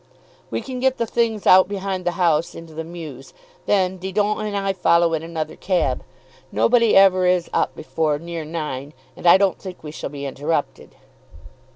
We can get the things out behind the house into the mews. Then Didon and I follow in another cab. Nobody ever is up before near nine, and I don't think we shall be interrupted."